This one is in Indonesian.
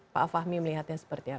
pak fahmi melihatnya seperti apa